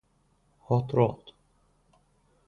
Hot Rod.